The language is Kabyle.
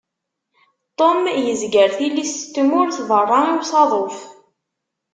Tom yezger tilist n tmurt berra i usaḍuf.